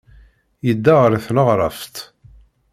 Yedda ɣer tneɣraft.